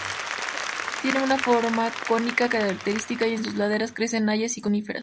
Tiene una forma cónica característica y en sus laderas crecen hayas y coníferas.